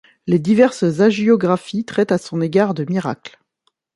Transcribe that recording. Les diverses hagiographies traitent à son égard de miracles.